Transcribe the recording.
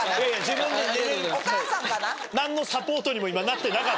お母さんかな？